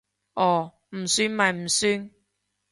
哦，唔算咪唔算